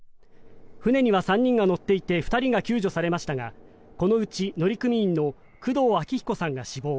船には３人が乗っていて２人が救助されましたがこのうち乗組員の工藤昭彦さんが死亡。